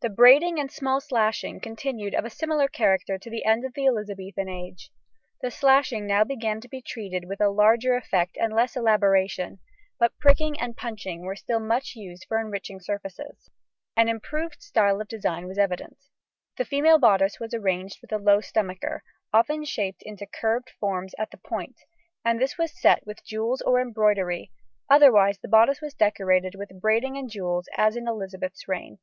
The braiding and small slashing continued of a similar character to the end of the Elizabethan age. The slashing now began to be treated with a larger effect and less elaboration, but pricking and punching were still much used for enriching surfaces. An improved style of design was evident. The female bodice was arranged with a long stomacher, often shaped into curved forms at the point, and this was set with jewels or embroidery, otherwise the bodice was decorated with braiding and jewels as in Elizabeth's reign.